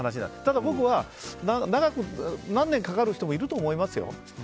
でも僕は、何年かかる人もいると思いますよ。